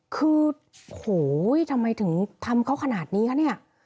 คือโหทำไมถึงทำเขาขนาดนี้คะเนี่ย